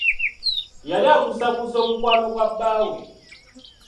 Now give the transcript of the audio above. Yali abuusabuusa omukwano gwa bbaawe.